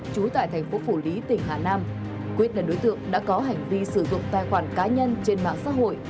trú tại thành phố phủ lý tỉnh hà nam quyết là đối tượng đã có hành vi sử dụng tài khoản cá nhân trên mạng xã hội